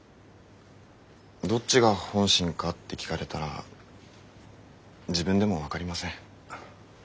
どっちが本心かって聞かれたら自分でも分かりません。